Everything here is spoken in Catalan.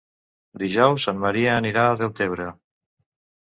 Dijous en Maria anirà a Deltebre.